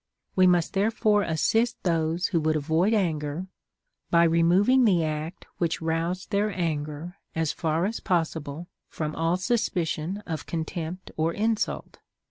We must therefore assist those Avho Avould avoid anger, by removing the act which roused their anger as far as possible from all suspicion of contempt or insult, CONCERNING THE CURE OF ANGER.